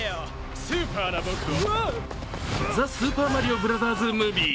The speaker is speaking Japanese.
「ザ・スーパーマリオブラザーズ・ムービー」。